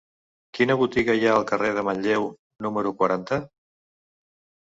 Quina botiga hi ha al carrer de Manlleu número quaranta?